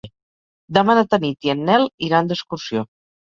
Demà na Tanit i en Nel iran d'excursió.